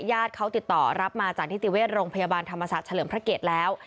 ญาติเขาติดต่อรับมาจากนิติเวชโรงพยาบาลธรรมศาสตร์เฉลิมพระเกตแล้ว